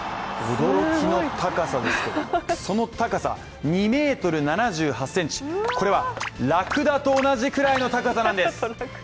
驚きの高さですけども、その高さ、２ｍ７８ｃｍ、これはラクダと同じぐらいの高さなんです。